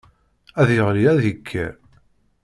Ad yeɣli ad yekker.